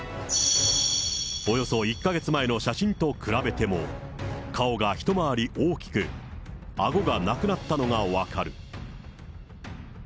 およそ１か月前の写真と比べても、顔が一回り大きく、あごがなくなったのが分かる。